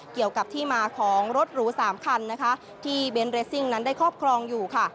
เกี่ยวกับที่มาของรถหรูสามคันนะคะที่เบนท์เรสซิ่งนั้นได้ครอบครองอยู่ค่ะ